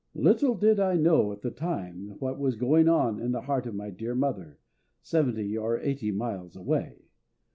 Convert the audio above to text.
Little did I know at the time what was going on in the heart of my dear mother, seventy or eighty miles away.